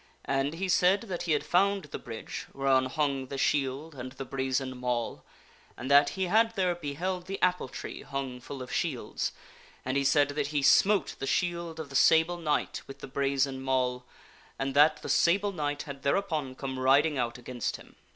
And he said that he had found the bridge whereon hung the shield and the brazen mall, and that he had there beheld the apple tree hung full of shields ; and he said that he smote the shield of the Sable Knight with the brazen mall, and that the Sable Knight had thereupon come riding out against him.